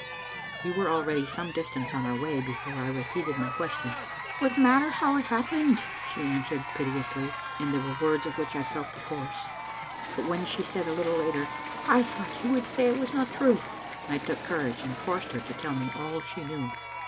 " We were already some distance on our way before I repeated my question. "What matter how it happened?" she answered pit eously, and they were words of which I felt the force. But when she said a little later, " I thought you would say it is not true," I took courage, and forced her to tell me all she knew.